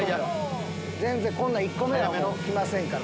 全然こんなん１個目は来ませんから。